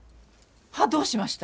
歯どうしました？